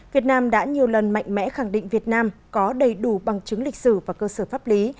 việt nam đã nhiều lần mạnh mẽ khẳng định việt nam có đầy đủ bằng chứng lịch sử và cơ sở pháp lý